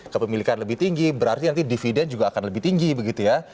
kepemilikan lebih tinggi berarti nanti dividen juga akan lebih tinggi begitu ya